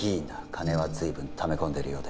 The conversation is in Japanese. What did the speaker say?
金はずいぶんため込んでるようで